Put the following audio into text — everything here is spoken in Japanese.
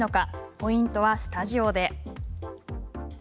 ポイントはスタジオで。